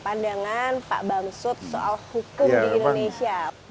pandangan pak bamsud soal hukum di indonesia